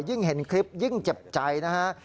ยิ่งเห็นคลิปยิ่งเจ็บใจนะฮะ